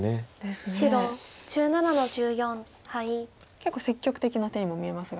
結構積極的な手にも見えますが。